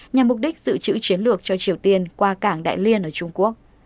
nhằm mục đích giữ chữ chiến lược cho triều tiên qua cảng đại liên ở trung quốc